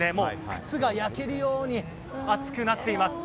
靴が焼けるように暑くなっています。